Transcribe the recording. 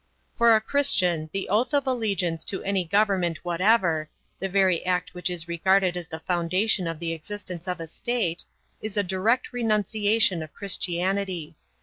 For a Christian the oath of allegiance to any government whatever the very act which is regarded as the foundation of the existence of a state is a direct renunciation of Christianity.